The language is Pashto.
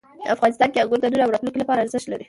افغانستان کې انګور د نن او راتلونکي لپاره ارزښت لري.